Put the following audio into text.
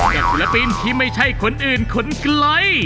แต่ธุระปินที่ไม่ใช่คนอื่นคนไกล